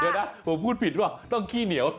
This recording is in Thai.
เดี๋ยวนะผมพูดผิดว่าต้องขี้เหนียว